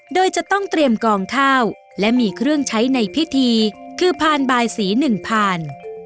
โดยจะต้องเตรียมกองข้าวและมีเครื่องใช้ในพิธีคือพานบายสีหนึ่งผ่าน